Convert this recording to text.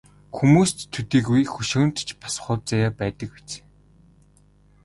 Хүмүүст төдийгүй хөшөөнд ч бас хувь заяа байдаг биз.